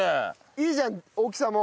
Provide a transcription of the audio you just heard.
いいじゃん大きさも。